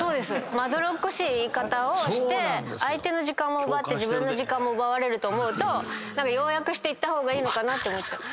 まどろっこしい言い方をして相手の時間も奪って自分の時間も奪われると思うと要約して言った方がいいのかな。